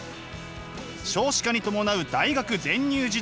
少子化に伴う大学全入時代。